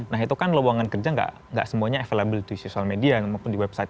nah itu kan lowongan kerja gak semuanya available di social media maupun di website